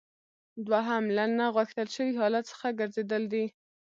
دوهم له نه غوښتل شوي حالت څخه ګرځیدل دي.